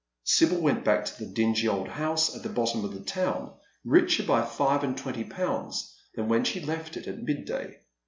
Sibyl went back to the dingy old house at the bottom of the town richer by five and twenty pounds than when she left it at mid day.